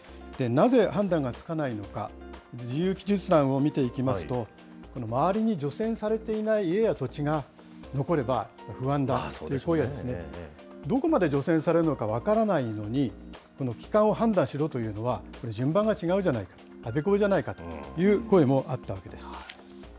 なぜ判断がつかないのか、自由記述欄を見ていきますと、周りに除染されていない家や土地が残れば、不安だという声が、どこまで除染されるのか分からないのに、帰還を判断しろというのは、これ、順番が違うじゃないか、あべこべじゃないかという声もあったわけです。